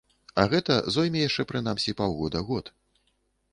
А гэта зойме яшчэ прынамсі паўгода-год.